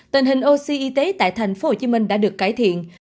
tình hình oxy y tế tại thành phố hồ chí minh đã được cải thiện